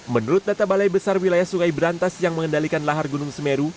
menurut data balai besar wilayah sungai berantas yang mengendalikan lahar gunung semeru